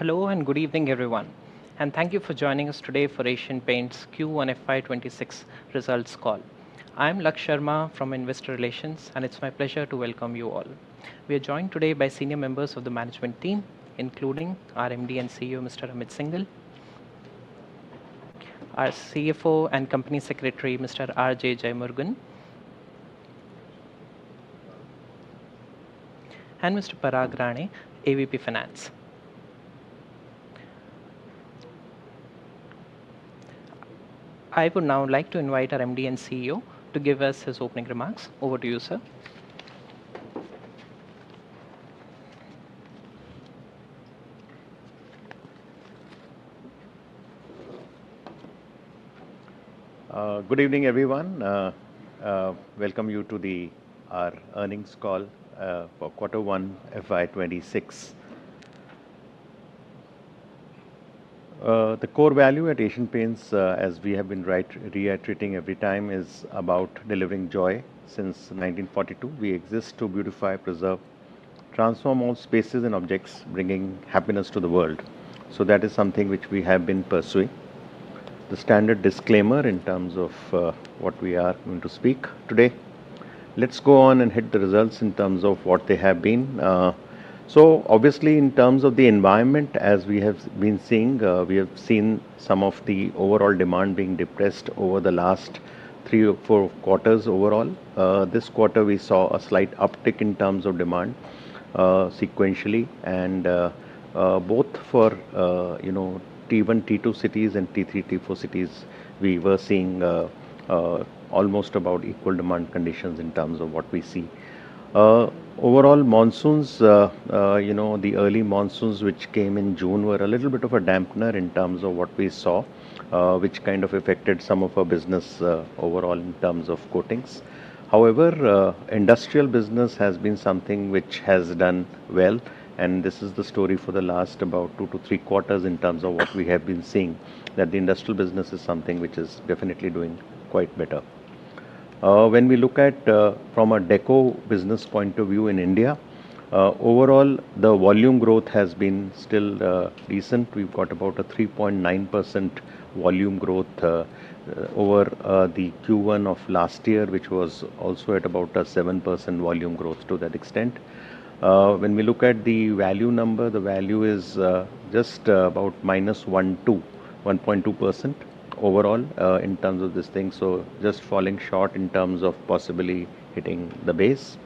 Hello and good evening, everyone. Thank you for joining us today for Asian Paints Q1FY26 results call. I'm Lakshya Sharma from Investor Relations, and it's my pleasure to welcome you all. We are joined today by senior members of the management team, including our MD and CEO, Mr. Amit Syngle, our CFO and Company Secretary, Mr. R J Jeyamurugan, and Mr. Parag Rane, AVP Finance. I would now like to invite our MD and CEO to give us his opening remarks. Over to you, sir. Good evening, everyone. Welcome you to our earnings call for Q1FY26. The core value at Asian Paints, as we have been reiterating every time, is about delivering joy since 1942. We exist to beautify, preserve, and transform all spaces and objects, bringing happiness to the world. That is something which we have been pursuing. The standard disclaimer in terms of what we are going to speak today. Let's go on and hit the results in terms of what they have been. Obviously, in terms of the environment, as we have been seeing, we have seen some of the overall demand being depressed over the last three or four quarters overall. This quarter, we saw a slight uptick in terms of demand, sequentially. Both for T1, T2 cities and T3, T4 cities, we were seeing almost about equal demand conditions in terms of what we see. Overall, monsoons, the early monsoons which came in June, were a little bit of a dampener in terms of what we saw, which kind of affected some of our business overall in terms of coatings. However, industrial business has been something which has done well. This is the story for the last about two to three quarters in terms of what we have been seeing, that the industrial business is something which is definitely doing quite better. When we look at from a deco business point of view in India, overall, the volume growth has been still decent. We've got about a 3.9% volume growth over the Q1 of last year, which was also at about a 7% volume growth to that extent. When we look at the value number, the value is just about -1.2% overall in terms of this thing, just falling short in terms of possibly hitting the base.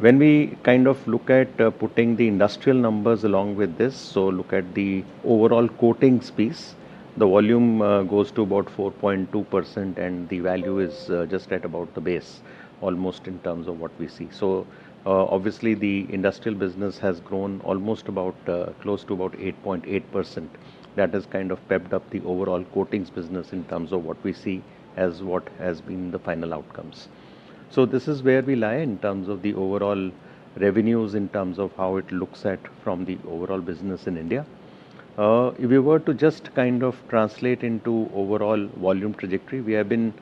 When we kind of look at putting the industrial numbers along with this, so look at the overall coatings piece, the volume goes to about 4.2%, and the value is just at about the base, almost in terms of what we see. Obviously, the industrial business has grown almost close to about 8.8%. That has kind of pepped up the overall coatings business in terms of what we see as what has been the final outcomes. This is where we lie in terms of the overall revenues, in terms of how it looks at from the overall business in India. If we were to just kind of translate into overall volume trajectory, we have been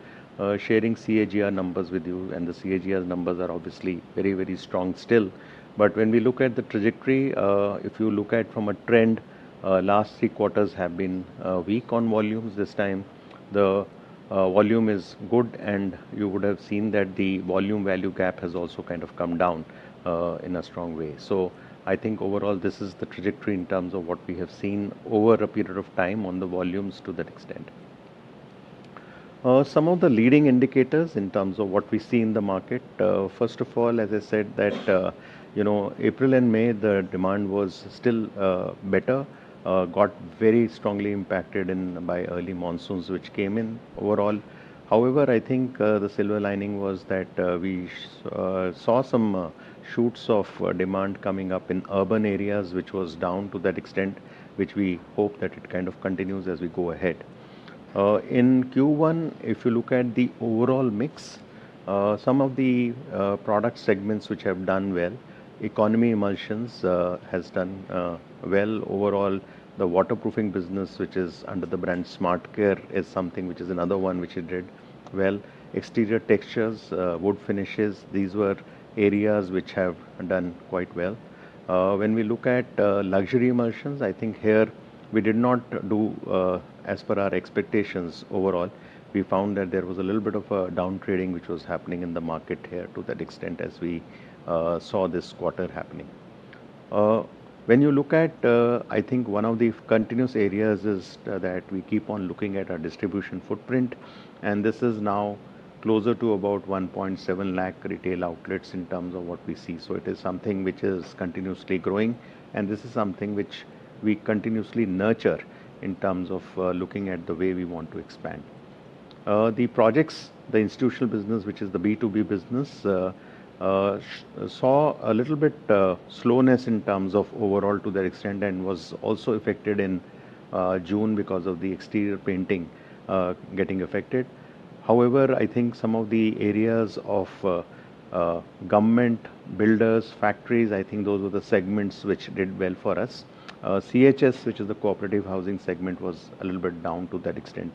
sharing CAGR numbers with you, and the CAGR numbers are obviously very, very strong still. When we look at the trajectory, if you look at from a trend, last three quarters have been weak on volumes. This time, the volume is good, and you would have seen that the volume-value gap has also kind of come down in a strong way. I think overall, this is the trajectory in terms of what we have seen over a period of time on the volumes to that extent. Some of the leading indicators in terms of what we see in the market, first of all, as I said, April and May, the demand was still better, got very strongly impacted by early monsoons which came in overall. However, I think the silver lining was that we saw some shoots of demand coming up in urban areas, which was down to that extent, which we hope that it kind of continues as we go ahead. In Q1, if you look at the overall mix, some of the product segments which have done well, economy emulsions has done well overall. The waterproofing business, which is under the brand SmartCare, is something which is another one which did well. Exterior textures, wood finishes, these were areas which have done quite well. When we look at luxury emulsions, I think here we did not do as per our expectations overall. We found that there was a little bit of a downtrading which was happening in the market here to that extent as we saw this quarter happening. When you look at, I think one of the continuous areas is that we keep on looking at our distribution footprint. This is now closer to about 1.7 lakh retail outlets in terms of what we see. It is something which is continuously growing, and this is something which we continuously nurture in terms of looking at the way we want to expand. The projects, the institutional business, which is the B2B business, saw a little bit slowness in terms of overall to that extent and was also affected in June because of the exterior painting getting affected. However, I think some of the areas of government, builders, factories, I think those were the segments which did well for us. CHS, which is the cooperative housing segment, was a little bit down to that extent.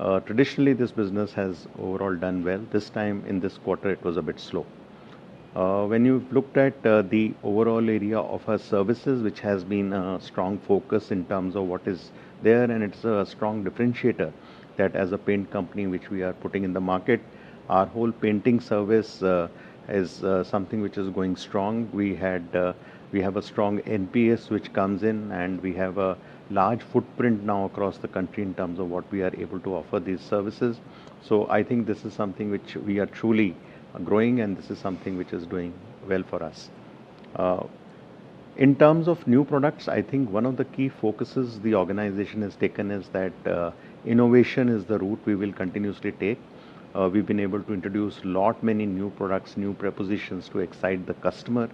Traditionally, this business has overall done well. This time, in this quarter, it was a bit slow. When you looked at the overall area of our services, which has been a strong focus in terms of what is there, and it's a strong differentiator that as a paint company which we are putting in the market, our whole painting service is something which is going strong. We have a strong NPS which comes in, and we have a large footprint now across the country in terms of what we are able to offer these services. I think this is something which we are truly growing, and this is something which is doing well for us. In terms of new products, I think one of the key focuses the organization has taken is that innovation is the route we will continuously take. We've been able to introduce a lot many new products, new propositions to excite the customer.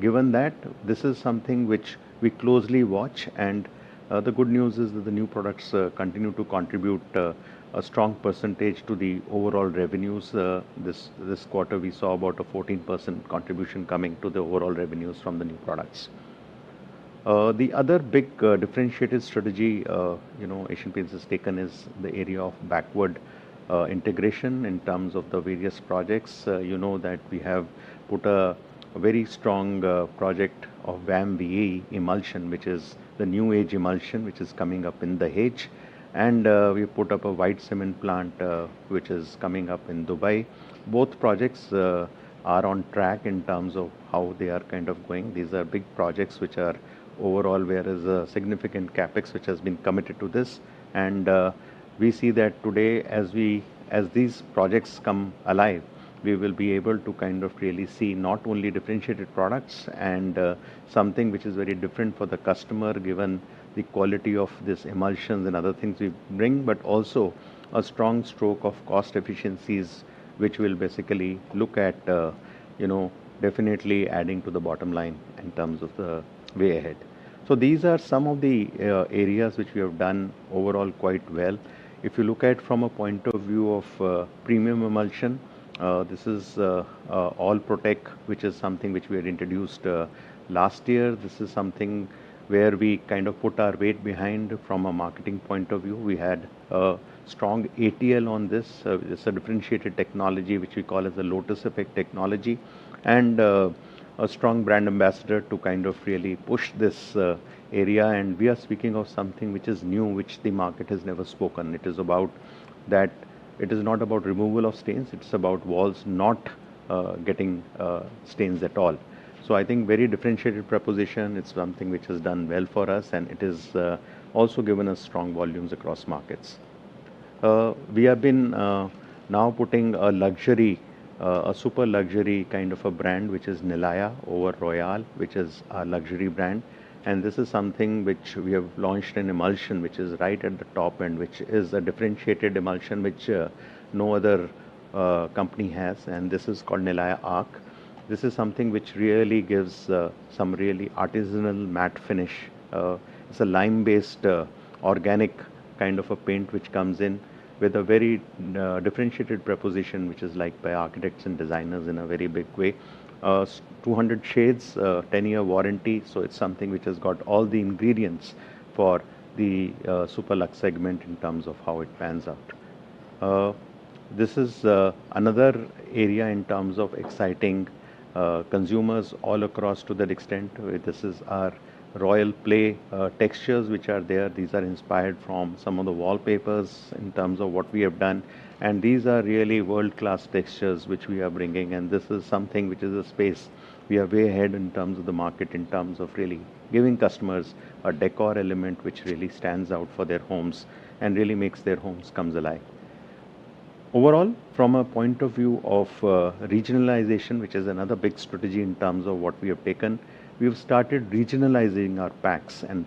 Given that, this is something which we closely watch. The good news is that the new products continue to contribute a strong percentage to the overall revenues. This quarter, we saw about a 14% contribution coming to the overall revenues from the new products. The other big differentiated strategy, Asian Paints has taken is the area of backward integration in terms of the various projects. You know that we have put a very strong project of VAM-VAE emulsion, which is the new-age emulsion which is coming up in the HEG. We put up a white cement plant which is coming up in Dubai. Both projects are on track in terms of how they are kind of going. These are big projects overall, with a significant CapEx which has been committed to this. We see that today, as these projects come alive, we will be able to really see not only differentiated products and something which is very different for the customer, given the quality of these emulsions and other things we bring, but also a strong stroke of cost efficiencies which will basically look at definitely adding to the bottom line in terms of the way ahead. These are some of the areas which we have done overall quite well. If you look at from a point of view of premium emulsion, this is All Protec, which is something which we had introduced last year. This is something where we kind of put our weight behind from a marketing point of view. We had a strong ATL on this. It's a differentiated technology which we call as a lotus effect technology. A strong brand ambassador to kind of really push this area. We are speaking of something which is new, which the market has never spoken. It is about that it is not about removal of stains. It's about walls not getting stains at all. I think very differentiated proposition, it's something which has done well for us, and it has also given us strong volumes across markets. We have been now putting a luxury, a super luxury kind of a brand which is Nilaya over Royale, which is a luxury brand. This is something which we have launched, an emulsion which is right at the top end, which is a differentiated emulsion which no other company has. This is called Nilaya Arc. This is something which really gives some really artisanal matte finish. It is a lime-based organic kind of a paint which comes in with a very differentiated proposition which is liked by architects and designers in a very big way. Two hundred shades, 10-year warranty. It is something which has got all the ingredients for the super-luxe segment in terms of how it pans out. This is another area in terms of exciting consumers all across to that extent. This is our Royale Play textures which are there. These are inspired from some of the wallpapers in terms of what we have done. These are really world-class textures which we are bringing, and this is something which is a space we are way ahead in terms of the market, in terms of really giving customers a decor element which really stands out for their homes and really makes their homes come alive. Overall, from a point of view of regionalization, which is another big strategy in terms of what we have taken, we have started regionalizing our packs and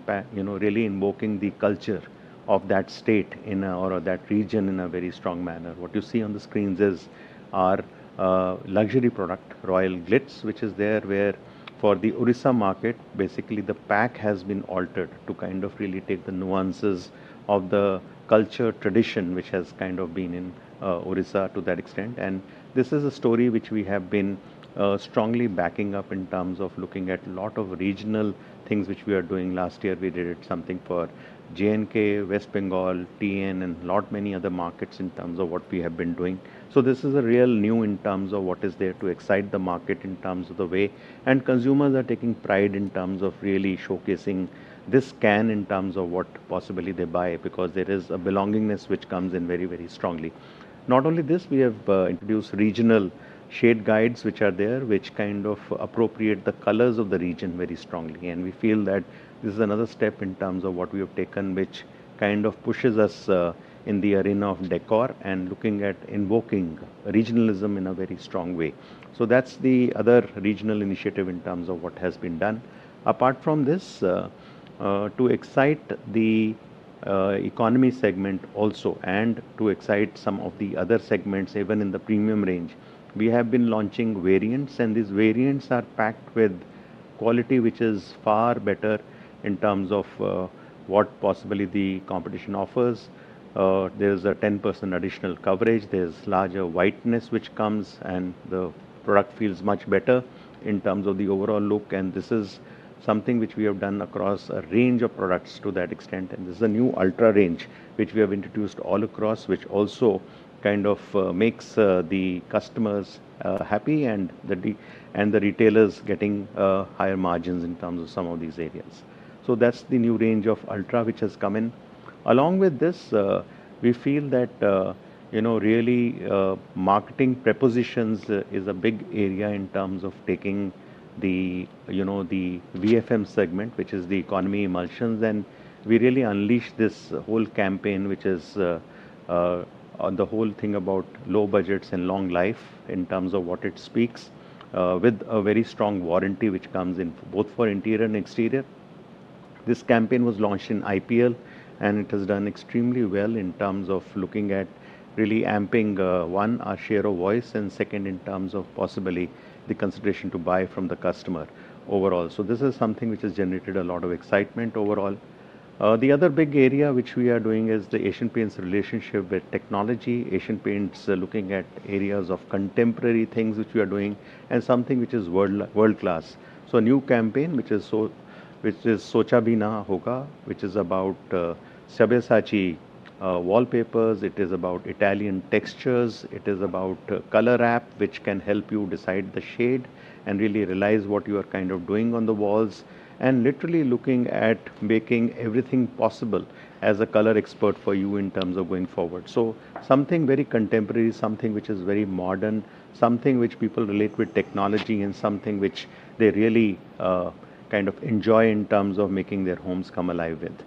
really invoking the culture of that state or that region in a very strong manner. What you see on the screens is our luxury product, Royal Glitz, which is there where for the Orissa market, basically the pack has been altered to kind of really take the nuances of the culture tradition which has kind of been in Orissa to that extent. This is a story which we have been strongly backing up in terms of looking at a lot of regional things which we are doing. Last year, we did something for J&K, West Bengal, TN, and a lot many other markets in terms of what we have been doing. This is a real new in terms of what is there to excite the market in terms of the way. Consumers are taking pride in terms of really showcasing this can in terms of what possibly they buy because there is a belongingness which comes in very, very strongly. Not only this, we have introduced regional shade guides which are there, which kind of appropriate the colors of the region very strongly. We feel that this is another step in terms of what we have taken, which kind of pushes us in the arena of decor and looking at invoking regionalism in a very strong way. That is the other regional initiative in terms of what has been done. Apart from this, to excite the. Economy segment also and to excite some of the other segments, even in the premium range, we have been launching variants. These variants are packed with quality which is far better in terms of what possibly the competition offers. There is a 10% additional coverage. There is larger whiteness which comes, and the product feels much better in terms of the overall look. This is something which we have done across a range of products to that extent. This is a new Ultra range which we have introduced all across, which also kind of makes the customers happy and the retailers getting higher margins in terms of some of these areas, so that is the new range of Ultra which has come in. Along with this, we feel that really marketing propositions is a big area in terms of taking the VFM segment, which is the economy emulsions. We really unleash this whole campaign, which is the whole thing about low budgets and long life in terms of what it speaks, with a very strong warranty which comes in both for interior and exterior. This campaign was launched in IPL, and it has done extremely well in terms of looking at really amping one, our share of voice, and second, in terms of possibly the consideration to buy from the customer overall. This is something which has generated a lot of excitement overall. The other big area which we are doing is the Asian Paints relationship with technology. Asian Paints are looking at areas of contemporary things which we are doing and something which is world-class. A new campaign which is Socha Bina Hoga, which is about Sabyasachi wallpapers. It is about Italian textures. It is about color app, which can help you decide the shade and really realize what you are kind of doing on the walls. Literally looking at making everything possible as a color expert for you in terms of going forward. Something very contemporary, something which is very modern, something which people relate with technology, and something which they really kind of enjoy in terms of making their homes come alive with.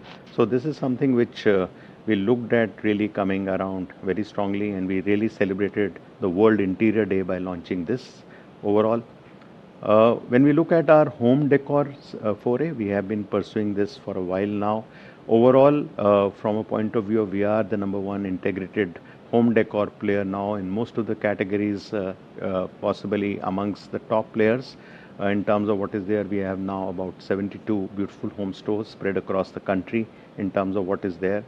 This is something which we looked at really coming around very strongly, and we really celebrated the World Interior Day by launching this overall. When we look at our home décor foray, we have been pursuing this for a while now. Overall, from a point of view, we are the number one integrated home décor player now in most of the categories, possibly amongst the top players. In terms of what is there, we have now about 72 Beautiful Homes stores spread across the country in terms of what is there.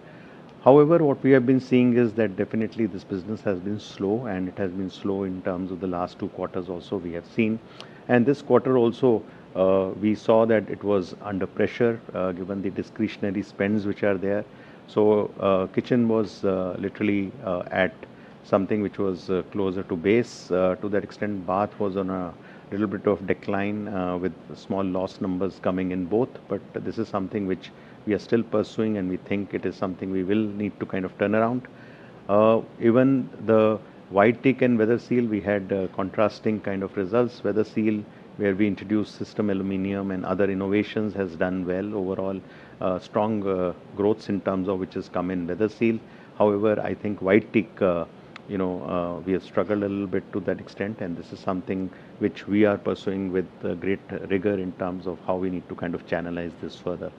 However, what we have been seeing is that definitely this business has been slow, and it has been slow in terms of the last two quarters also we have seen. This quarter also, we saw that it was under pressure given the discretionary spends which are there. Kitchen was literally at something which was closer to base to that extent. Bath was on a little bit of decline with small loss numbers coming in both. This is something which we are still pursuing, and we think it is something we will need to kind of turn around. Even the White Teak and Weather Seal, we had contrasting kind of results. Weather Seal, where we introduced system aluminum and other innovations, has done well overall. Strong growths in terms of which has come in Weather Seal. I think White Teak, we have struggled a little bit to that extent. This is something which we are pursuing with great rigor in terms of how we need to kind of channelize this further.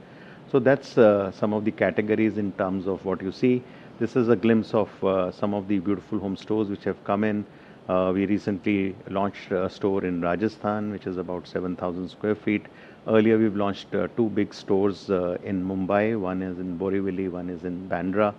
That is some of the categories in terms of what you see. This is a glimpse of some of the Beautiful Homes stores which have come in. We recently launched a store in Rajasthan, which is about 7,000 sq ft. Earlier, we have launched two big stores in Mumbai. One is in Borivali, one is in Bandra.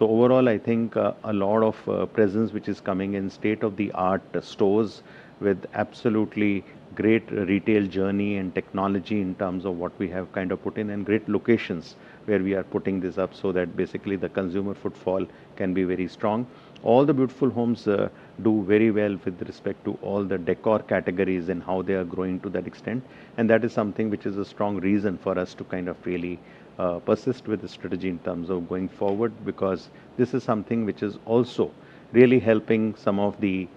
Overall, I think a lot of presence which is coming in state-of-the-art stores with absolutely great retail journey and technology in terms of what we have kind of put in and great locations where we are putting this up so that basically the consumer footfall can be very strong. All the Beautiful Homes do very well with respect to all the decor categories and how they are growing to that extent. That is something which is a strong reason for us to kind of really persist with the strategy in terms of going forward because this is something which is also really helping some of the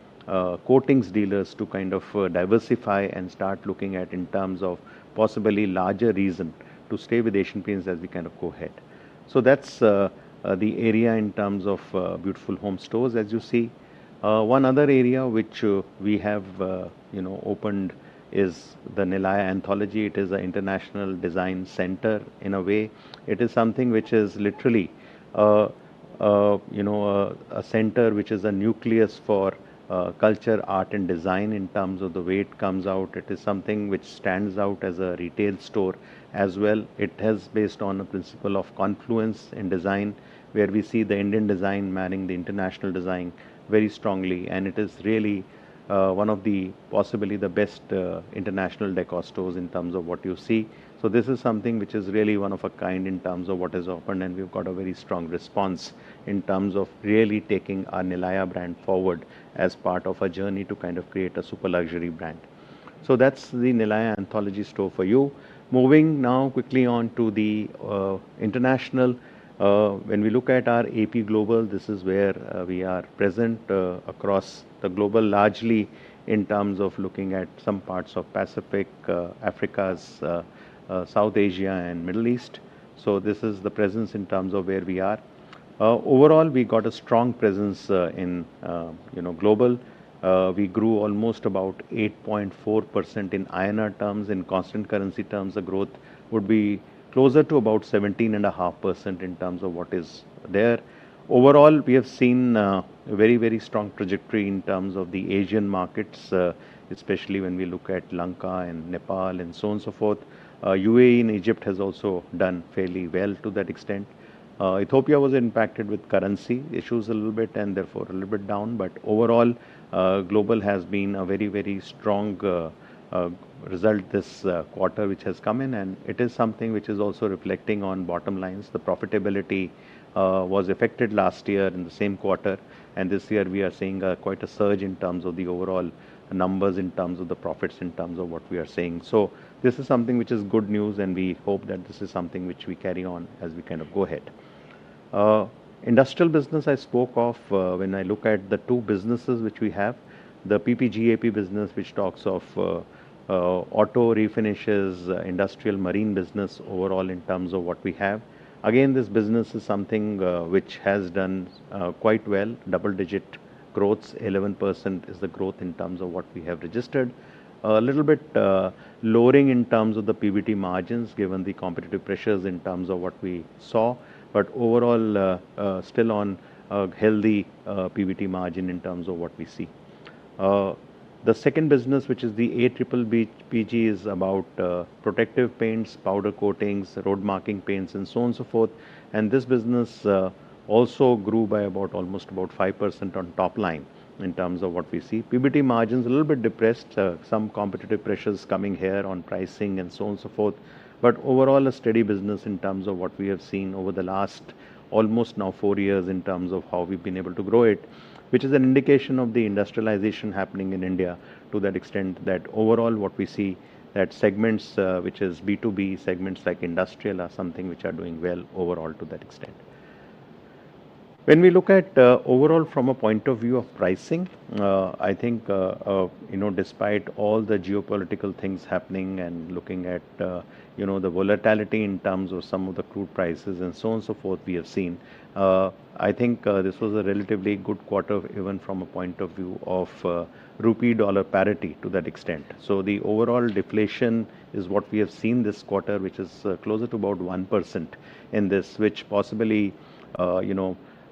coatings dealers to kind of diversify and start looking at in terms of possibly larger reason to stay with Asian Paints as we kind of go ahead. That is the area in terms of Beautiful Homes stores, as you see. One other area which we have opened is the Nilaya Anthology. It is an international design center in a way. It is something which is literally a center which is a nucleus for culture, art, and design in terms of the way it comes out. It is something which stands out as a retail store as well, it has based on a principle of confluence in design, where we see the Indian design manning the international design very strongly. It is really one of the possibly the best international decor stores in terms of what you see. This is something which is really one of a kind in terms of what has opened. We have got a very strong response in terms of really taking our Nilaya brand forward as part of a journey to kind of create a super luxury brand. That is the Nilaya Anthology store for you. Moving now quickly on to the international. When we look at our AP Global, this is where we are present across the global, largely in terms of looking at some parts of Pacific, Africa, South Asia, and Middle East. This is the presence in terms of where we are. Overall, we got a strong presence in global. We grew almost about 8.4% in INR terms. In constant currency terms, the growth would be closer to about 17.5% in terms of what is there. Overall, we have seen a very, very strong trajectory in terms of the Asian markets, especially when we look at Lanka and Nepal and so on and so forth. UAE and Egypt has also done fairly well to that extent. Ethiopia was impacted with currency issues a little bit and therefore a little bit down. Overall, global has been a very, very strong result this quarter which has come in. It is something which is also reflecting on bottom lines. The profitability was affected last year in the same quarter. This year, we are seeing quite a surge in terms of the overall numbers, in terms of the profits, in terms of what we are seeing. This is something which is good news. We hope that this is something which we carry on as we kind of go ahead. Industrial business, I spoke of when I look at the two businesses which we have, the PPGAP business, which talks of auto refinishes, industrial marine business overall in terms of what we have. Again, this business is something which has done quite well, double-digit growths. 11% is the growth in terms of what we have registered. A little bit lowering in terms of the PBT margins given the competitive pressures in terms of what we saw. Overall, still on a healthy PBT margin in terms of what we see. The second business, which is the APPPG, is about protective paints, powder coatings, road marking paints, and so on and so forth. This business also grew by almost about 5% on top line in terms of what we see. PBT margins, a little bit depressed, some competitive pressures coming here on pricing and so on and so forth. Overall, a steady business in terms of what we have seen over the last almost now four years in terms of how we've been able to grow it, which is an indication of the industrialization happening in India to that extent that overall what we see, that segments which is B2B segments like industrial are something which are doing well overall to that extent. When we look at overall from a point of view of pricing, I think. Despite all the geopolitical things happening and looking at the volatility in terms of some of the crude prices and so on and so forth we have seen, I think this was a relatively good quarter even from a point of view of rupee–dollar parity to that extent. The overall deflation is what we have seen this quarter, which is closer to about 1% in this, which possibly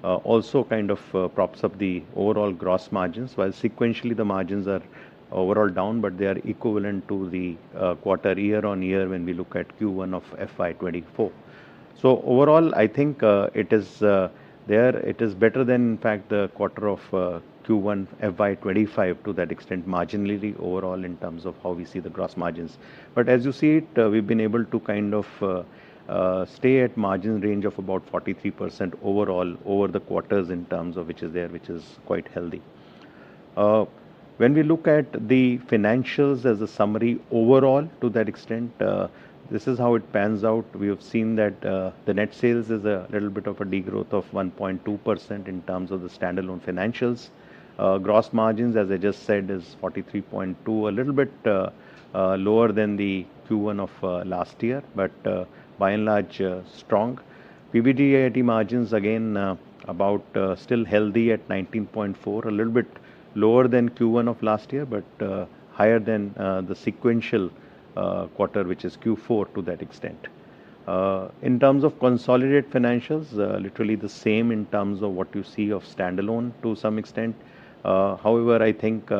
also kind of props up the overall gross margins. While sequentially, the margins are overall down, they are equivalent to the quarter year on year when we look at Q1 of FY2024. Overall, I think it is there. It is better than, in fact, the quarter of Q1 FY2025 to that extent marginally overall in terms of how we see the gross margins. As you see it, we've been able to kind of stay at margin range of about 43% overall over the quarters in terms of which is there, which is quite healthy. When we look at the financials as a summary overall to that extent, this is how it pans out. We have seen that the net sales is a little bit of a degrowth of 1.2% in terms of the standalone financials. Gross margins, as I just said, is 43.2%, a little bit lower than the Q1 of last year, but by and large strong. PBIT margins, again, about still healthy at 19.4%, a little bit lower than Q1 of last year, but higher than the sequential quarter, which is Q4 to that extent. In terms of consolidated financials, literally the same in terms of what you see of standalone to some extent. However, I think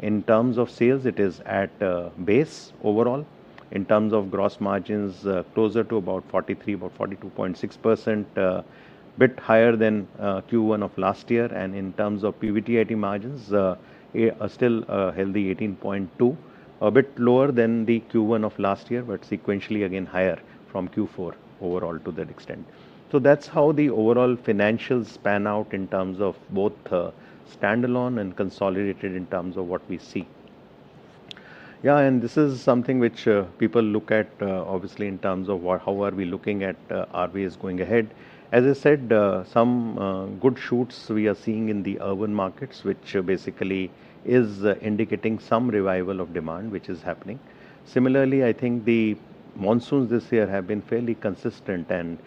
in terms of sales, it is at base overall. In terms of gross margins, closer to about 43%, about 42.6%. A bit higher than Q1 of last year. In terms of PBIT margins, still healthy, 18.2%, a bit lower than the Q1 of last year, but sequentially again higher from Q4 overall to that extent. That's how the overall financials pan out in terms of both standalone and consolidated in terms of what we see. Yeah, and this is something which people look at, obviously, in terms of how are we looking at RVS going ahead. As I said, some good shoots we are seeing in the urban markets, which basically is indicating some revival of demand, which is happening. Similarly, I think the monsoons this year have been fairly consistent and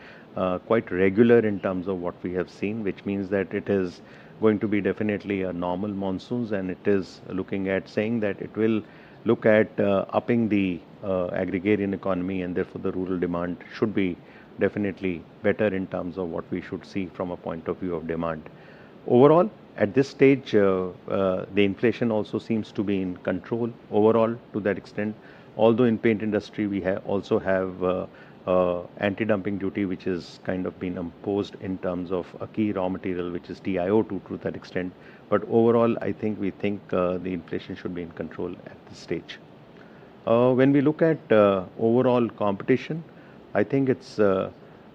quite regular in terms of what we have seen, which means that it is going to be definitely a normal monsoon. It is looking at saying that it will look at upping the aggregate in economy. Therefore, the rural demand should be definitely better in terms of what we should see from a point of view of demand. Overall, at this stage, the inflation also seems to be in control overall to that extent. Although in the paint industry, we also have anti-dumping duty, which has kind of been imposed in terms of a key raw material, which is TiO2 to that extent. Overall, I think we think the inflation should be in control at this stage. When we look at overall competition, I think it's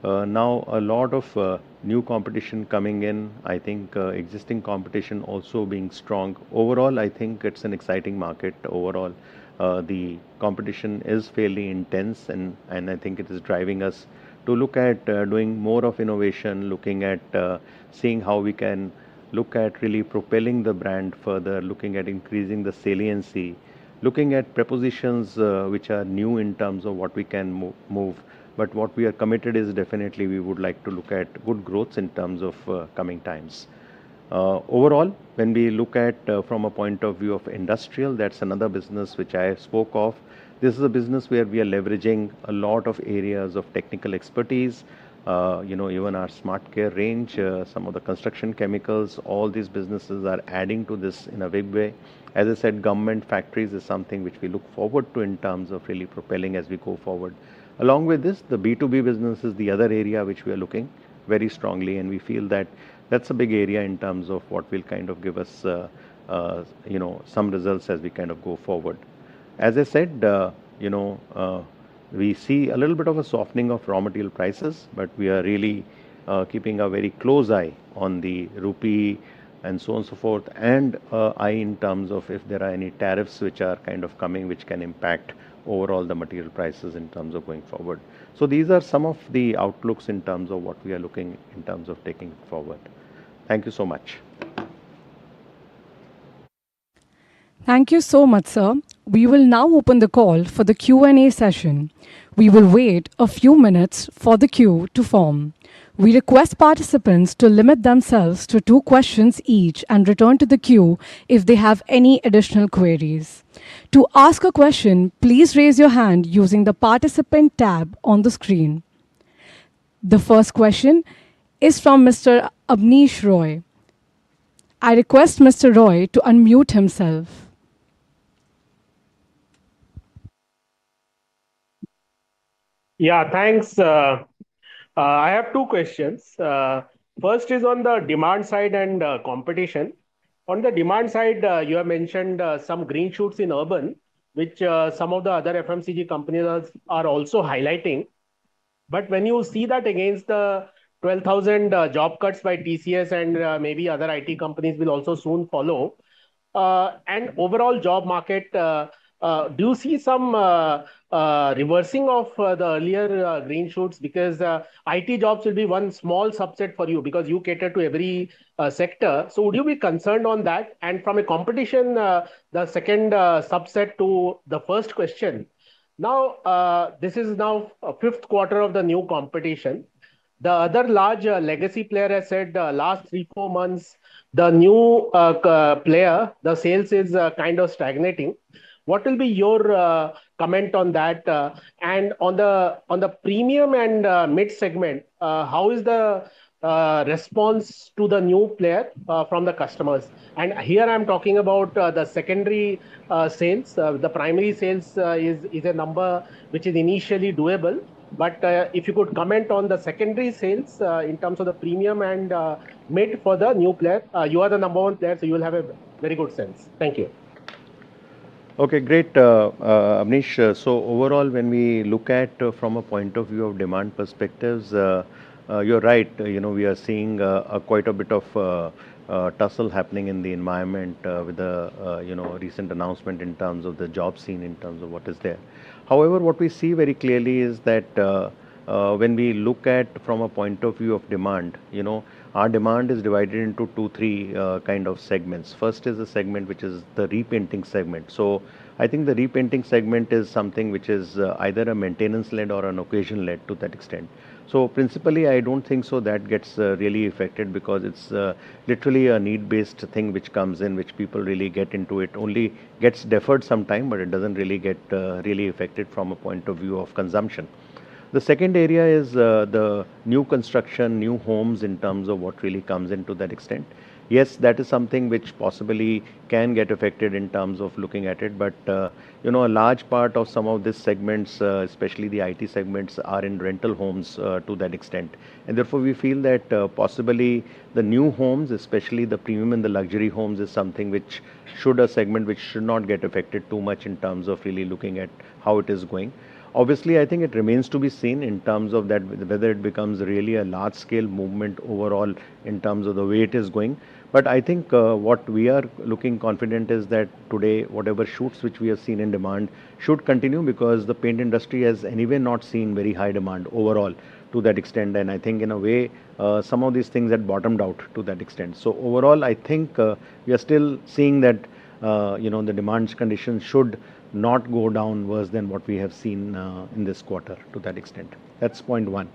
now a lot of new competition coming in. I think existing competition also being strong. Overall, I think it's an exciting market overall. The competition is fairly intense. I think it is driving us to look at doing more of innovation, looking at seeing how we can look at really propelling the brand further, looking at increasing the saliency, looking at propositions which are new in terms of what we can move. What we are committed is definitely we would like to look at good growths in terms of coming times. Overall, when we look at from a point of view of industrial, that's another business which I spoke of. This is a business where we are leveraging a lot of areas of technical expertise, even our SmartCare range, some of the construction chemicals. All these businesses are adding to this in a big way. As I said, government factories is something which we look forward to in terms of really propelling as we go forward. Along with this, the B2B business is the other area which we are looking very strongly. We feel that that's a big area in terms of what will kind of give us some results as we kind of go forward. As I said, we see a little bit of a softening of raw material prices, but we are really keeping a very close eye on the rupee and so on and so forth, and eye in terms of if there are any tariffs which are kind of coming which can impact overall the material prices in terms of going forward. So these are some of the outlooks in terms of what we are looking in terms of taking forward. Thank you so much. Thank you so much, sir. We will now open the call for the Q&A session. We will wait a few minutes for the queue to form. We request participants to limit themselves to two questions each and return to the queue if they have any additional queries. To ask a question, please raise your hand using the participant tab on the screen. The first question is from Mr. Abneesh Roy. I request Mr. Roy to unmute himself. Yeah, thanks. I have two questions. First is on the demand side and competition. On the demand side, you have mentioned some green shoots in urban, which some of the other FMCG companies are also highlighting. When you see that against the 12,000 job cuts by TCS and maybe other IT companies will also soon follow, and overall job market, do you see some reversing of the earlier green shoots? Because IT jobs will be one small subset for you because you cater to every sector. Would you be concerned on that? From a competition, the second subset to the first question, this is now fifth quarter of the new competition. The other large legacy player has said last three, four months, the new player, the sales is kind of stagnating. What will be your comment on that? On the premium and mid segment, how is the response to the new player from the customers? Here I am talking about the secondary sales. The primary sales is a number which is initially doable. If you could comment on the secondary sales in terms of the premium and mid for the new player, you are the number one player, so you will have a very good sense. Thank you. Okay, great, Abneesh. Overall, when we look at from a point of view of demand perspectives, you are right, we are seeing quite a bit of tussle happening in the environment with the recent announcement in terms of the job scene, in terms of what is there. However, what we see very clearly is that when we look at from a point of view of demand, our demand is divided into two, three kind of segments. First is a segment which is the repainting segment. I think the repainting segment is something which is either a maintenance-led or an occasion-led to that extent. Principally, I do not think so that gets really affected because it is literally a need-based thing which comes in, which people really get into. It only gets deferred sometime, but it does not really get really affected from a point of view of consumption. The second area is the new construction, new homes in terms of what really comes into that extent. Yes, that is something which possibly can get affected in terms of looking at it. A large part of some of these segments, especially the IT segments, are in rental homes to that extent. Therefore, we feel that possibly the new homes, especially the premium and the luxury homes, is something which should, a segment which should not get affected too much in terms of really looking at how it is going. Obviously, I think it remains to be seen in terms of whether it becomes really a large-scale movement overall in terms of the way it is going. I think what we are looking confident is that today, whatever shoots which we have seen in demand should continue because the paint industry has anyway not seen very high demand overall to that extent. I think in a way, some of these things had bottomed out to that extent. Overall, I think we are still seeing that the demand conditions should not go down worse than what we have seen in this quarter to that extent. That is point one.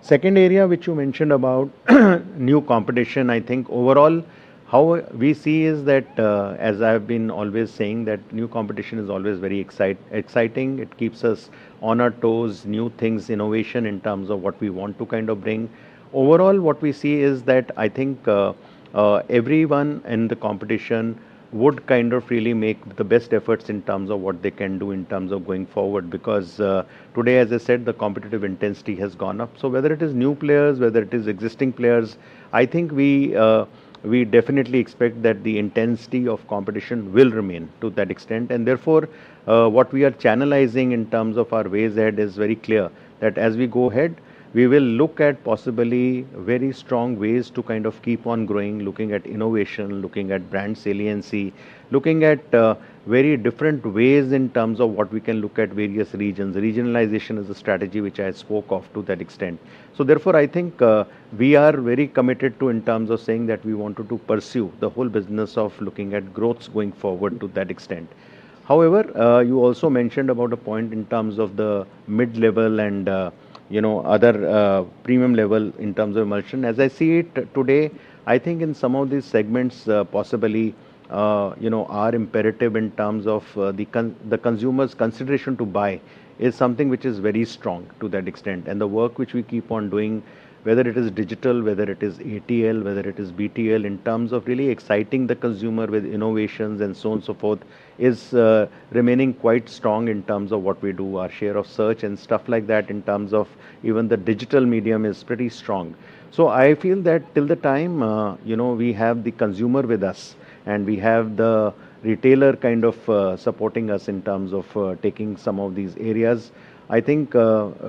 Second area which you mentioned about, new competition, I think overall, how we see is that, as I have been always saying, that new competition is always very exciting. It keeps us on our toes, new things, innovation in terms of what we want to kind of bring. Overall, what we see is that I think everyone in the competition would kind of really make the best efforts in terms of what they can do in terms of going forward. Because today, as I said, the competitive intensity has gone up. Whether it is new players, whether it is existing players, I think we definitely expect that the intensity of competition will remain to that extent. Therefore, what we are channelizing in terms of our ways ahead is very clear that as we go ahead, we will look at possibly very strong ways to kind of keep on growing, looking at innovation, looking at brand saliency, looking at very different ways in terms of what we can look at various regions. Regionalization is a strategy which I spoke of to that extent. Therefore, I think we are very committed to in terms of saying that we want to pursue the whole business of looking at growths going forward to that extent. However, you also mentioned about a point in terms of the mid-level and other premium level in terms of emulsion. As I see it today, I think in some of these segments, possibly, are imperative in terms of the consumer's consideration to buy, is something which is very strong to that extent. The work which we keep on doing, whether it is digital, whether it is ATL, whether it is BTL, in terms of really exciting the consumer with innovations and so on and so forth, is remaining quite strong in terms of what we do. Our share of search and stuff like that in terms of even the digital medium is pretty strong. I feel that till the time we have the consumer with us and we have the retailer kind of supporting us in terms of taking some of these areas, I think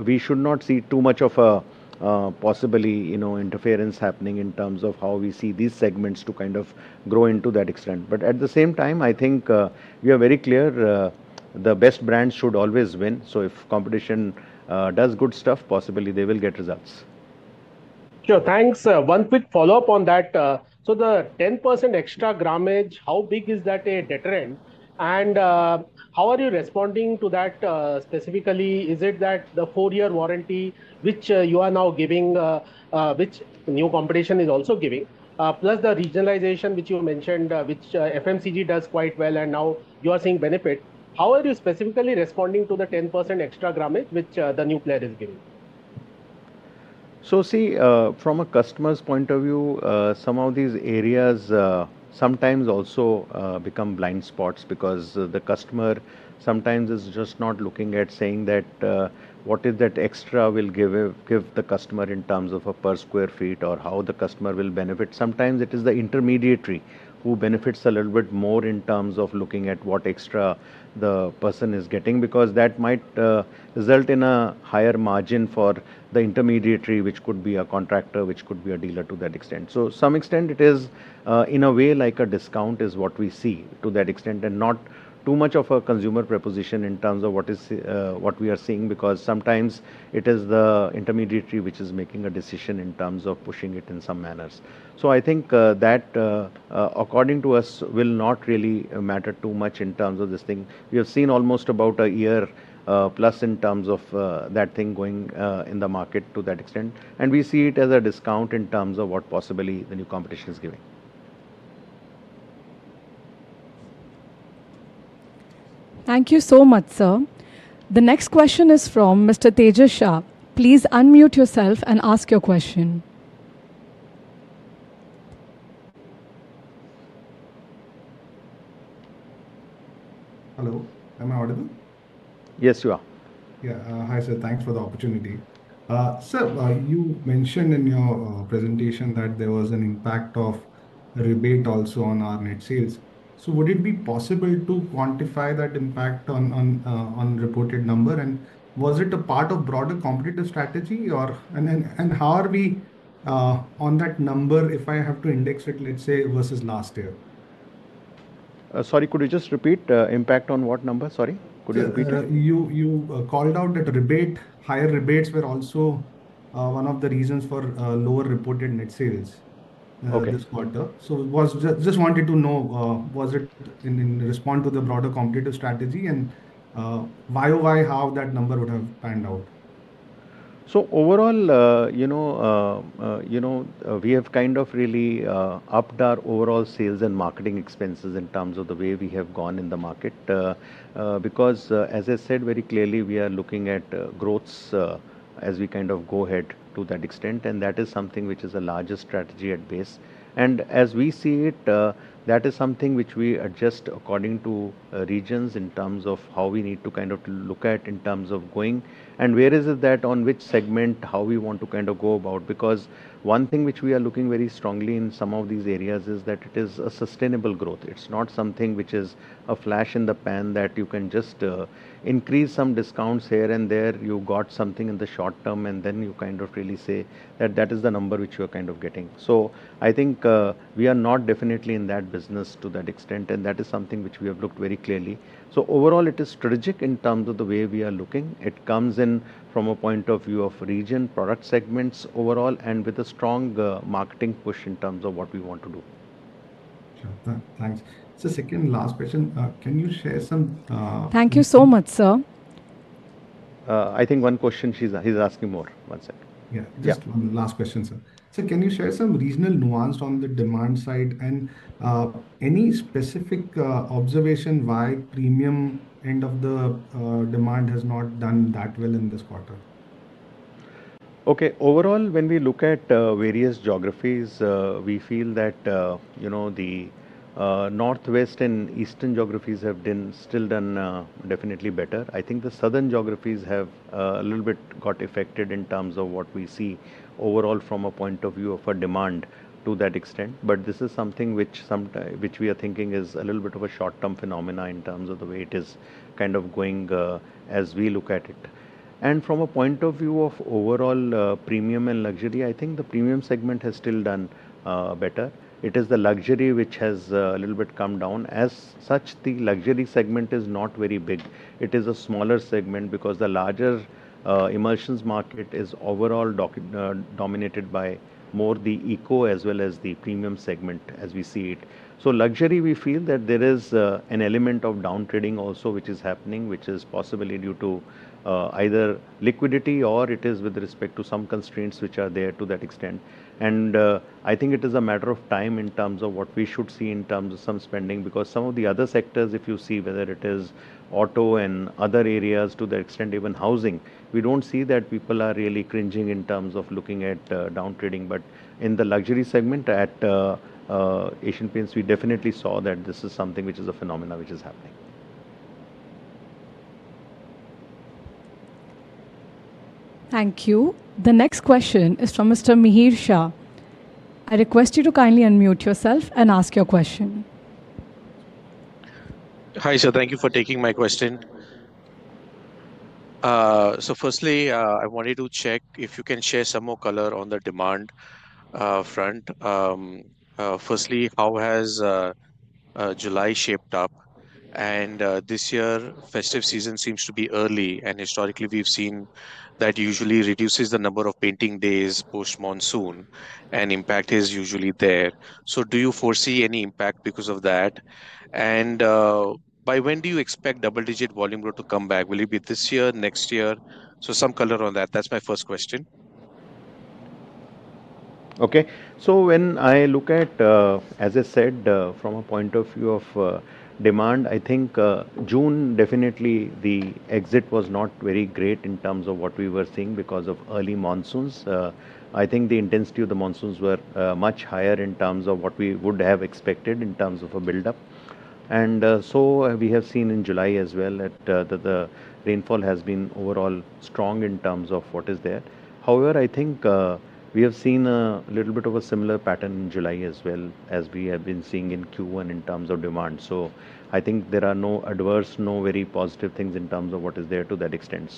we should not see too much of a possibly interference happening in terms of how we see these segments to kind of grow to that extent. At the same time, I think we are very clear. The best brands should always win. If competition does good stuff, possibly they will get results. Sure, thanks. One quick follow-up on that. The 10% extra grammage, how big is that a detriment? How are you responding to that specifically? Is it that the four-year warranty, which you are now giving, which new competition is also giving, plus the regionalization which you mentioned, which FMCG does quite well, and now you are seeing benefit, how are you specifically responding to the 10% extra gramage which the new player is giving? See, from a customer's point of view, some of these areas sometimes also become blind spots because the customer sometimes is just not looking at saying that what is that extra will give the customer in terms of a per sq ft or how the customer will benefit. Sometimes it is the intermediary who benefits a little bit more in terms of looking at what extra the person is getting because that might result in a higher margin for the intermediary, which could be a contractor, which could be a dealer to that extent. To some extent, it is in a way like a discount is what we see to that extent and not too much of a consumer proposition in terms of what we are seeing because sometimes it is the intermediary which is making a decision in terms of pushing it in some manners. I think that, according to us, will not really matter too much in terms of this thing. We have seen almost about a year plus in terms of that thing going in the market to that extent. We see it as a discount in terms of what possibly the new competition is giving. Thank you so much, sir. The next question is from Mr. Tejas Shah. Please unmute yourself and ask your question. Hello, am I audible? Yes, you are. Yeah, hi, sir. Thanks for the opportunity. Sir, you mentioned in your presentation that there was an impact of rebate also on our net sales. Would it be possible to quantify that impact on reported number? And was it a part of broader competitive strategy? How are we on that number if I have to index it, let's say, versus last year? Sorry, could you just repeat? Impact on what number? Sorry, could you repeat it? You called out that higher rebates were also one of the reasons for lower reported net sales this quarter. Just wanted to know, was it in response to the broader competitive strategy? Why or how that number would have panned out? Overall, we have kind of really upped our overall sales and marketing expenses in terms of the way we have gone in the market. Because, as I said very clearly, we are looking at growths as we kind of go ahead to that extent. That is something which is a larger strategy at base. As we see it, that is something which we adjust according to regions in terms of how we need to kind of look at in terms of going, and where is it that on which segment, how we want to kind of go about. One thing which we are looking very strongly in some of these areas is that it is a sustainable growth. It's not something which is a flash in the pan that you can just increase some discounts here and there, you got something in the short term, and then you kind of really say that that is the number which you are kind of getting. I think we are not definitely in that business to that extent. That is something which we have looked very clearly. Overall, it is strategic in terms of the way we are looking. It comes in from a point of view of region, product segments overall, and with a strong marketing push in terms of what we want to do. Thanks. Second last question, can you share some? Thank you so much, sir. I think one question he's asking more. One second. Yeah, just one last question, sir. Can you share some regional nuance on the demand side and any specific observation why premium end of the demand has not done that well in this quarter? Overall, when we look at various geographies, we feel that the northwest and eastern geographies have still done definitely better. I think the southern geographies have a little bit got affected in terms of what we see overall from a point of view of a demand to that extent. This is something which we are thinking is a little bit of a short-term phenomenon in terms of the way it is kind of going as we look at it. From a point of view of overall premium and luxury, I think the premium segment has still done better. It is the luxury which has a little bit come down. As such, the luxury segment is not very big. It is a smaller segment because the larger emulsions market is overall dominated by more the eco as well as the premium segment as we see it. Luxury, we feel that there is an element of downtrading also which is happening, which is possibly due to either liquidity or it is with respect to some constraints which are there to that extent. I think it is a matter of time in terms of what we should see in terms of some spending because some of the other sectors, if you see whether it is auto and other areas to that extent, even housing, we do not see that people are really cringing in terms of looking at downtrading. In the luxury segment at Asian Paints, we definitely saw that this is something which is a phenomenon which is happening. Thank you. The next question is from Mr. Mihir Shah. I request you to kindly unmute yourself and ask your question. Hi, sir. Thank you for taking my question. Firstly, I wanted to check if you can share some more color on the demand front. Firstly, how has July shaped up? This year, festive season seems to be early. Historically, we have seen that usually reduces the number of painting days post monsoon, and impact is usually there. Do you foresee any impact because of that? By when do you expect double-digit volume growth to come back? Will it be this year, next year? Some color on that. That is my first question. Okay. When I look at, as I said, from a point of view of demand, I think June, definitely the exit was not very great in terms of what we were seeing because of early monsoons. I think the intensity of the monsoons was much higher in terms of what we would have expected in terms of a buildup. We have seen in July as well that the rainfall has been overall strong in terms of what is there. However, I think we have seen a little bit of a similar pattern in July as well as we have been seeing in Q1 in terms of demand. I think there are no adverse, no very positive things in terms of what is there to that extent.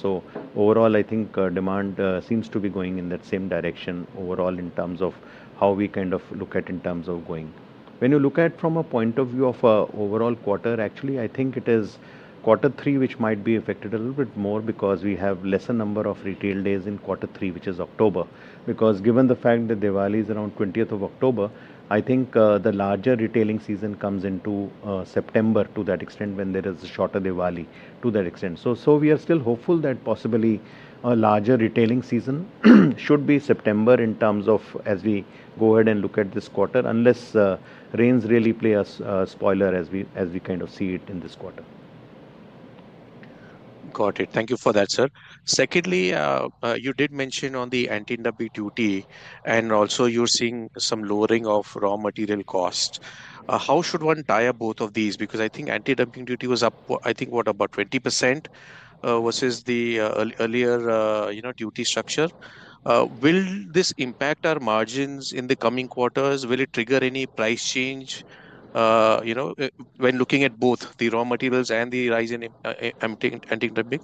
Overall, I think demand seems to be going in that same direction overall in terms of how we kind of look at in terms of going. When you look at from a point of view of an overall quarter, actually, I think it is quarter three, which might be affected a little bit more because we have lesser number of retail days in quarter three, which is October. Given the fact that Diwali is around 20th of October, I think the larger retailing season comes into September to that extent when there is a shorter Diwali to that extent. We are still hopeful that possibly a larger retailing season should be September in terms of as we go ahead and look at this quarter, unless rains really play a spoiler as we kind of see it in this quarter. Got it. Thank you for that, sir. Secondly, you did mention on the anti-dumping duty, and also you're seeing some lowering of raw material cost. How should one tie up both of these? I think anti-dumping duty was up, I think, what, about 20% versus the earlier duty structure. Will this impact our margins in the coming quarters? Will it trigger any price change when looking at both the raw materials and the rise in anti-dumping?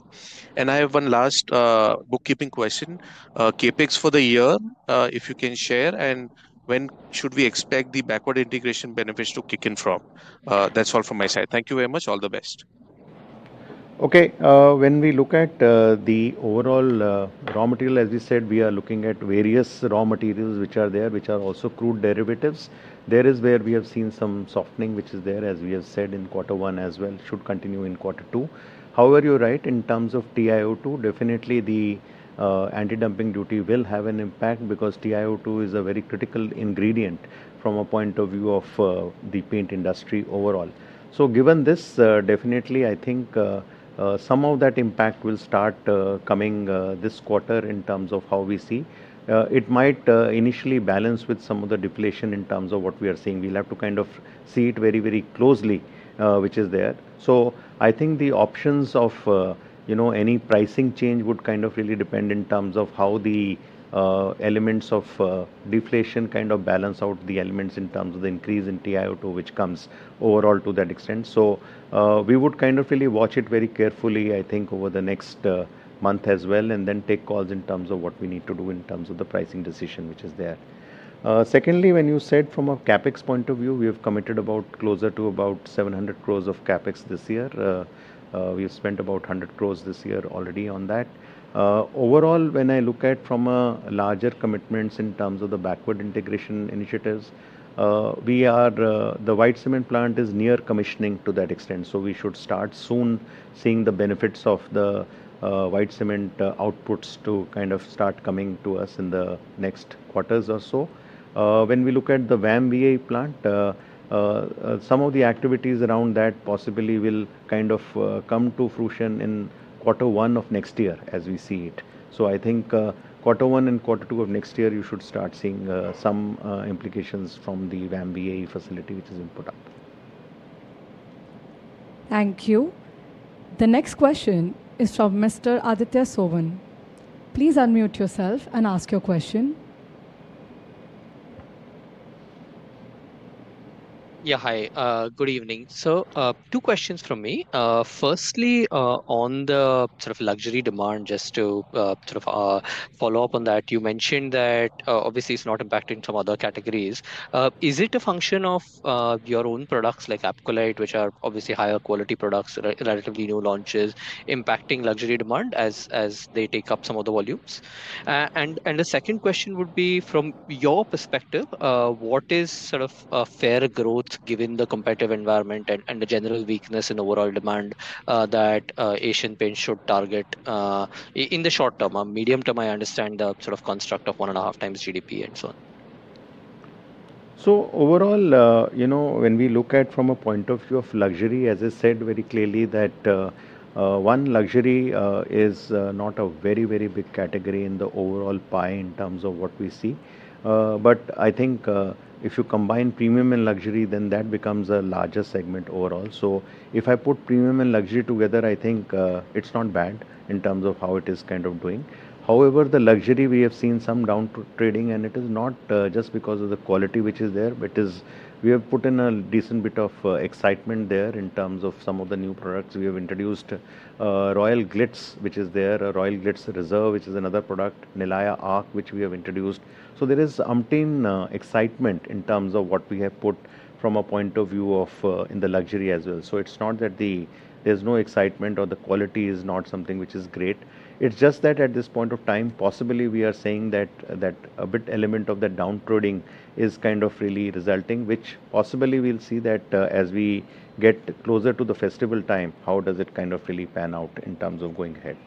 I have one last bookkeeping question. CapEx for the year, if you can share, and when should we expect the backward integration benefits to kick in from? That's all from my side. Thank you very much. All the best. Okay. When we look at the overall raw material, as we said, we are looking at various raw materials which are there, which are also crude derivatives. There is where we have seen some softening, which is there, as we have said in quarter one as well, should continue in quarter two. However, you're right, in terms of TiO2, definitely the anti-dumping duty will have an impact because TiO2 is a very critical ingredient from a point of view of the paint industry overall. Given this, definitely, I think some of that impact will start coming this quarter in terms of how we see. It might initially balance with some of the deflation in terms of what we are seeing. We'll have to kind of see it very, very closely, which is there. I think the options of any pricing change would kind of really depend in terms of how the elements of deflation kind of balance out the elements in terms of the increase in TiO2, which comes overall to that extent. We would kind of really watch it very carefully, I think, over the next month as well, and then take calls in terms of what we need to do in terms of the pricing decision, which is there. Secondly, when you said from a CapEx point of view, we have committed about closer to about 700 crore of CapEx this year. We have spent about 100 crore this year already on that. Overall, when I look at from a larger commitments in terms of the backward integration initiatives, the white cement plant is near commissioning to that extent. We should start soon seeing the benefits of the white cement outputs to kind of start coming to us in the next quarters or so. When we look at the VAM VAE plant, some of the activities around that possibly will kind of come to fruition in quarter one of next year, as we see it. I think quarter one and quarter two of next year, you should start seeing some implications from the VAM VAE facility, which is input up. Thank you. The next question is from Mr. Aditya Sovan. Please unmute yourself and ask your question. Yeah, hi. Good evening. Sir, two questions from me. Firstly, on the sort of luxury demand, just to sort of follow up on that, you mentioned that obviously it's not impacting some other categories. Is it a function of your own products like Apcolite, which are obviously higher quality products, relatively new launches, impacting luxury demand as they take up some of the volumes? The second question would be from your perspective, what is sort of fair growth given the competitive environment and the general weakness in overall demand that Asian Paints should target in the short term? Medium term, I understand the sort of construct of one and a half times GDP and so on. Overall, when we look at from a point of view of luxury, as I said very clearly that one, luxury is not a very, very big category in the overall pie in terms of what we see. If you combine premium and luxury, then that becomes a larger segment overall. If I put premium and luxury together, I think it's not bad in terms of how it is kind of doing. However, the luxury, we have seen some downtrading, and it is not just because of the quality which is there, but we have put in a decent bit of excitement there in terms of some of the new products we have introduced. Royal Glitz, which is there, Royal Glitz Reserve, which is another product, Nilaya Arc, which we have introduced. So there is umpteen excitement in terms of what we have put from a point of view of in the luxury as well. It is not that there is no excitement or the quality is not something which is great. It is just that at this point of time, possibly we are seeing that a bit element of the downtrading is kind of really resulting, which possibly we will see that as we get closer to the festival time, how does it kind of really pan out in terms of going ahead.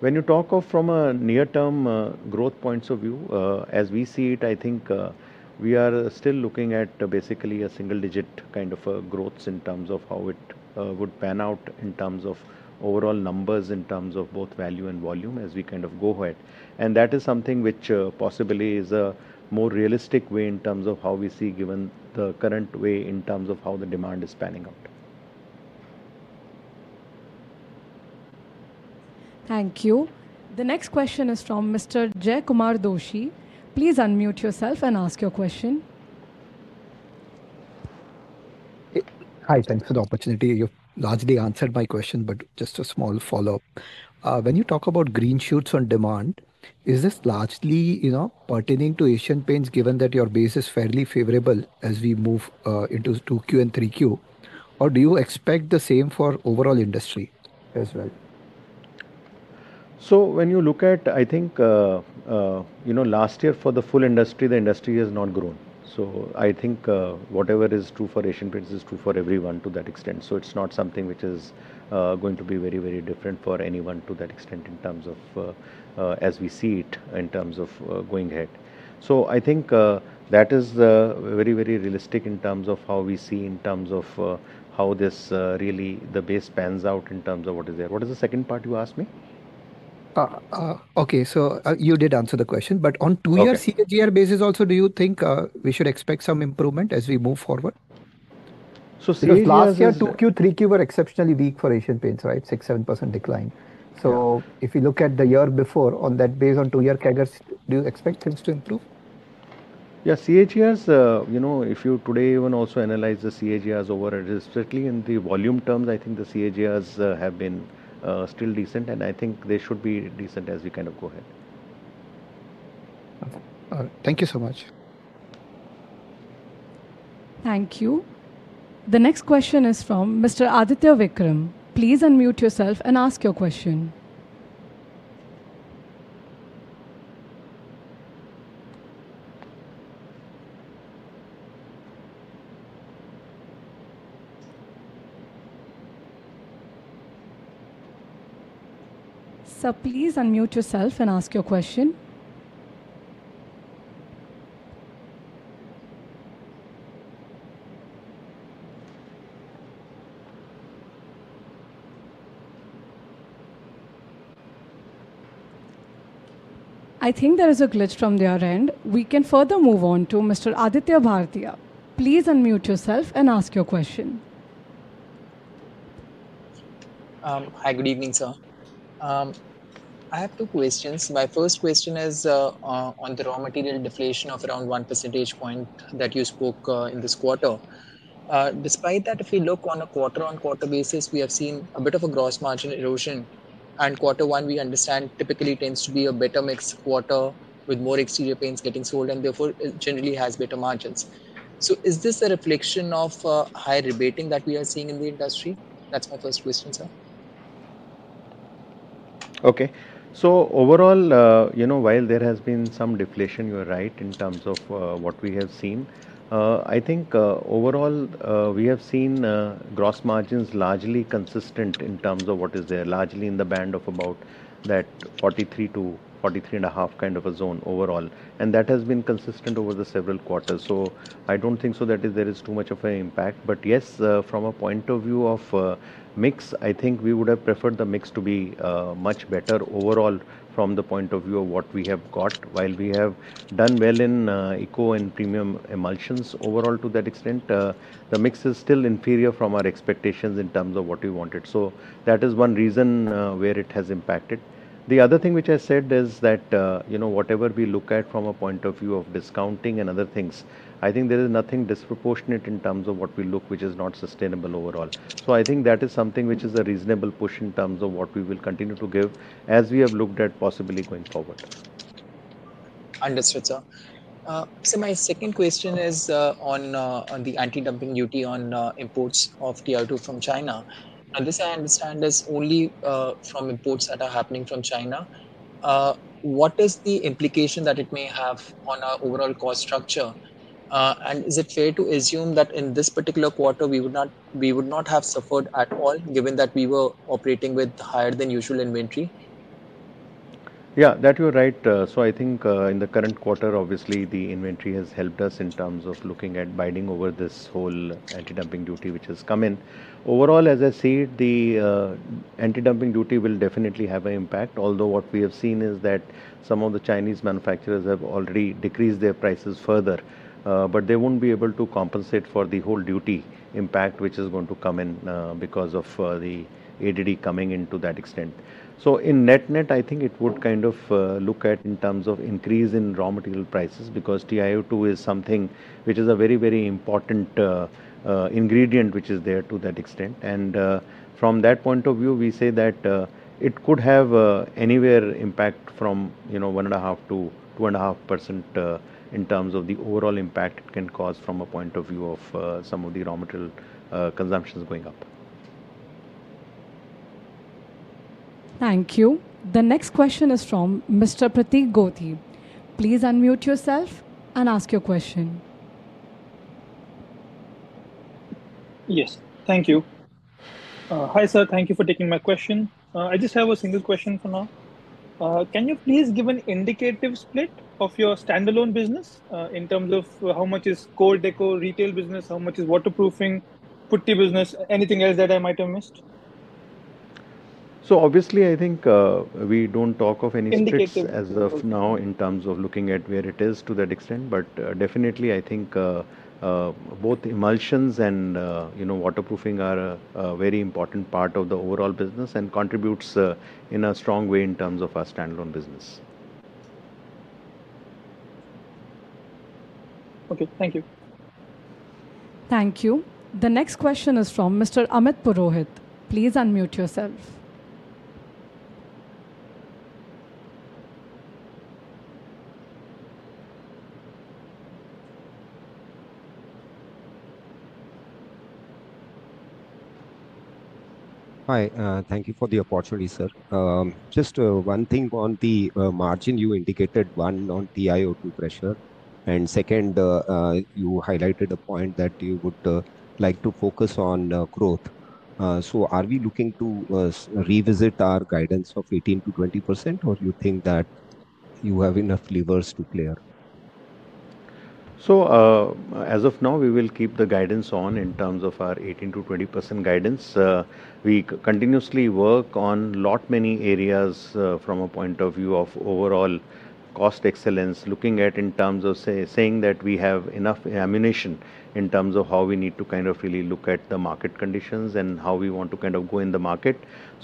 When you talk of from a near-term growth points of view, as we see it, I think we are still looking at basically a single-digit kind of growths in terms of how it would pan out in terms of overall numbers in terms of both value and volume as we kind of go ahead. That is something which possibly is a more realistic way in terms of how we see given the current way in terms of how the demand is panning out. Thank you. The next question is from Mr. Jaykumar Doshi. Please unmute yourself and ask your question. Hi, thanks for the opportunity. You have largely answered my question, but just a small follow-up. When you talk about green shoots on demand, is this largely pertaining to Asian Paints given that your base is fairly favorable as we move into 2Q and 3Q, or do you expect the same for overall industry as well? When you look at, I think. Last year for the full industry, the industry has not grown. I think whatever is true for Asian Paints is true for everyone to that extent. It is not something which is going to be very, very different for anyone to that extent in terms of, as we see it in terms of going ahead. I think that is very, very realistic in terms of how we see in terms of how this really the base pans out in terms of what is there. What is the second part you asked me? Okay, you did answer the question, but on two-year CAGR basis also, do you think we should expect some improvement as we move forward? Last year, 2Q, 3Q were exceptionally weak for Asian Paints, right? 6%, 7% decline. So, If you look at the year before on that base on two-year CAGR, do you expect things to improve? Yeah, CAGRs, if you today even also analyze the CAGRs overall, strictly in the volume terms, I think the CAGRs have been still decent, and I think they should be decent as we kind of go ahead. Thank you so much. Thank you. The next question is from Mr. Aditya Vikram. Please unmute yourself and ask your question. Please unmute yourself and ask your question. I think there is a glitch from their end. We can further move on to Mr. Aditya Bhartia. Please unmute yourself and ask your question. Hi, good evening, sir. I have two questions. My first question is on the raw material deflation of around 1 percentage point that you spoke in this quarter. Despite that, if we look on a quarter-on-quarter basis, we have seen a bit of a gross margin erosion. Quarter one, we understand, typically tends to be a better mix quarter with more exterior paints getting sold, and therefore it generally has better margins. Is this a reflection of higher rebating that we are seeing in the industry? That's my first question, sir. Okay. Overall, while there has been some deflation, you're right in terms of what we have seen. I think overall we have seen gross margins largely consistent in terms of what is there, largely in the band of about that 43-43.5% kind of a zone overall. That has been consistent over the several quarters. I don't think there is too much of an impact. Yes, from a point of view of mix, I think we would have preferred the mix to be much better overall from the point of view of what we have got. While we have done well in eco and premium emulsions overall to that extent, the mix is still inferior from our expectations in terms of what we wanted. That is one reason where it has impacted. The other thing which I said is that whatever we look at from a point of view of discounting and other things, I think there is nothing disproportionate in terms of what we look, which is not sustainable overall. I think that is something which is a reasonable push in terms of what we will continue to give as we have looked at possibly going forward. Understood, sir. My second question is on the anti-dumping duty on imports of TiO2 from China. This I understand is only from imports that are happening from China. What is the implication that it may have on our overall cost structure? Is it fair to assume that in this particular quarter we would not have suffered at all, given that we were operating with higher than usual inventory? Yeah, you're right. I think in the current quarter, obviously the inventory has helped us in terms of looking at binding over this whole anti-dumping duty, which has come in. Overall, as I said, the anti-dumping duty will definitely have an impact. Although what we have seen is that some of the Chinese manufacturers have already decreased their prices further, but they will not be able to compensate for the whole duty impact, which is going to come in because of the anti-dumping duty coming into that extent. In net-net, I think it would kind of look at in terms of increase in raw material prices because TiO2 is something which is a very, very important ingredient which is there to that extent. From that point of view, we say that it could have anywhere impact from 1.5-2.5% in terms of the overall impact it can cause from a point of view of some of the raw material consumptions going up. Thank you. The next question is from Mr. Pratik Gothi. Please unmute yourself and ask your question. Yes, thank you. Hi, sir. Thank you for taking my question. I just have a single question for now. Can you please give an indicative split of your standalone business in terms of how much is core decor, retail business, how much is waterproofing, putty business, anything else that I might have missed? Obviously, I think we do not talk of any splits as of now in terms of looking at where it is to that extent. Definitely, I think both emulsions and waterproofing are a very important part of the overall business and contribute in a strong way in terms of our standalone business. Okay, thank you. Thank you. The next question is from Mr. Amit Purohit. Please unmute yourself. Hi, thank you for the opportunity, sir. Just one thing on the margin you indicated, one on TiO2 pressure. Second, you highlighted a point that you would like to focus on growth. Are we looking to revisit our guidance of 18-20%, or do you think that you have enough levers to clear? As of now, we will keep the guidance on in terms of our 18-20% guidance. We continuously work on a lot many areas from a point of view of overall cost excellence, looking at in terms of saying that we have enough ammunition in terms of how we need to kind of really look at the market conditions and how we want to kind of go in the market.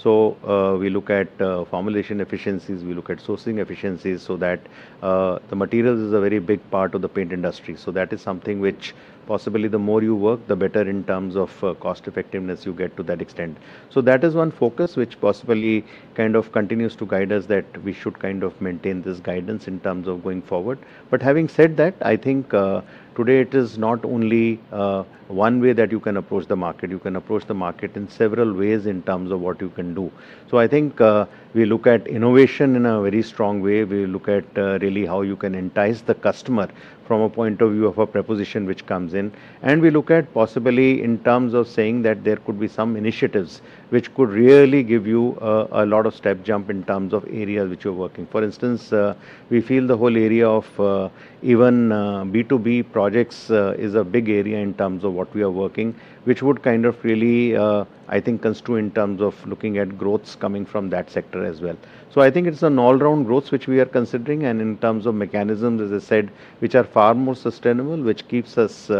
We look at formulation efficiencies, we look at sourcing efficiencies so that the materials is a very big part of the paint industry. That is something which possibly the more you work, the better in terms of cost effectiveness you get to that extent. That is one focus which possibly kind of continues to guide us that we should kind of maintain this guidance in terms of going forward. Having said that, I think today it is not only one way that you can approach the market. You can approach the market in several ways in terms of what you can do. I think we look at innovation in a very strong way. We look at really how you can entice the customer from a point of view of a proposition which comes in. We look at possibly in terms of saying that there could be some initiatives which could really give you a lot of step jump in terms of areas which you're working. For instance, we feel the whole area of even B2B projects is a big area in terms of what we are working, which would kind of really, I think, construe in terms of looking at growths coming from that sector as well. I think it's an all-round growth which we are considering and in terms of mechanisms, as I said, which are far more sustainable, which keeps us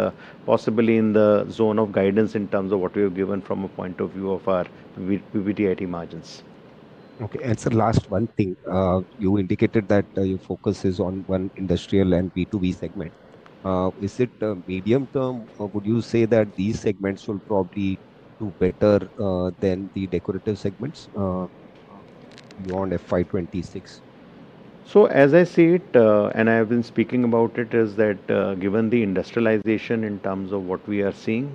possibly in the zone of guidance in terms of what we have given from a point of view of our PBIT margins. Okay, and last one thing. You indicated that your focus is on one industrial and B2B segment. Is it medium-term or would you say that these segments will probably do better than the decorative segments beyond FY'26? As I said, and I have been speaking about it, given the industrialization in terms of what we are seeing,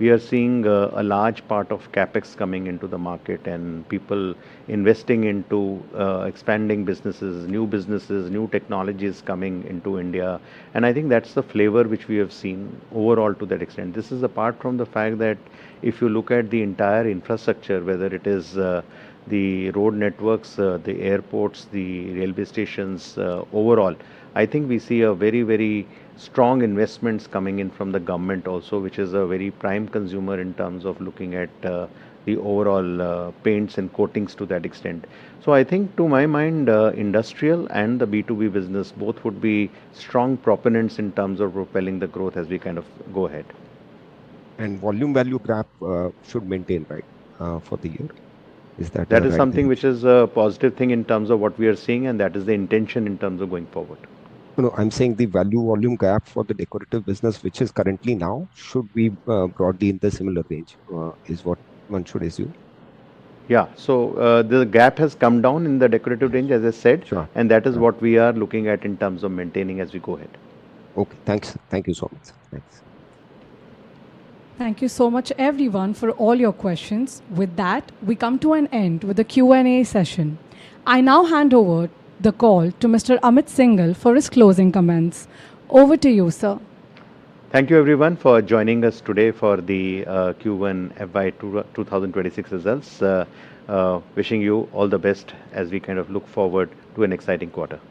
we are seeing a large part of CapEx coming into the market and people investing into expanding businesses, new businesses, new technologies coming into India. I think that's the flavor which we have seen overall to that extent. This is apart from the fact that if you look at the entire infrastructure, whether it is the road networks, the airports, the railway stations overall, I think we see very, very strong investments coming in from the government also, which is a very prime consumer in terms of looking at the overall paints and coatings to that extent. I think to my mind, industrial and the B2B business both would be strong proponents in terms of propelling the growth as we kind of go ahead. Volume-value gap should maintain, right, for the year? Is that? That is something which is a positive thing in terms of what we are seeing, and that is the intention in terms of going forward. I'm saying the volume- gap for the decorative business, which is currently now, should be broadly in the similar range, is what one should assume? Yeah, so the gap has come down in the decorative range, as I said, and that is what we are looking at in terms of maintaining as we go ahead. Okay, thanks. Thank you so much. Thanks. Thank you so much, everyone, for all your questions. With that, we come to an end with the Q&A session. I now hand over the call to Mr. Amit Syngle for his closing comments. Over to you, sir. Thank you, everyone, for joining us today for the Q1 FY2026 results. Wishing you all the best as we kind of look forward to an exciting quarter.